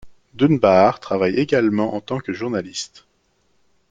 Dunbar travaille également en tant que journaliste.